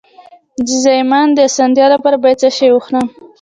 د زایمان د اسانتیا لپاره باید څه شی وخورم؟